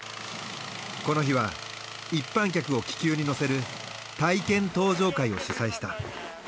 この日は一般客を気球に乗せる体験搭乗会を主催した。